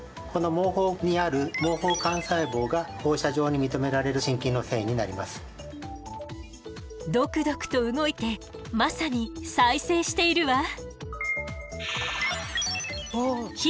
この毛包にあるドクドクと動いてまさに「再生」しているわ。